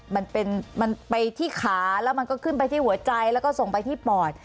มันเป็นมันไปที่ขาแล้วมันก็ขึ้นไปที่หัวใจแล้วก็ส่งไปที่ปอด